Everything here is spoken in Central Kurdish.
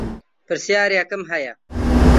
پرسیارێکم هەیە